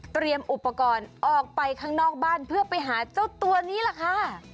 อุปกรณ์ออกไปข้างนอกบ้านเพื่อไปหาเจ้าตัวนี้แหละค่ะ